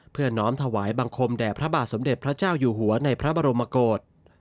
น้อมถวายบังคมแด่พระบาทสมเด็จพระเจ้าอยู่หัวในพระบรมกฏ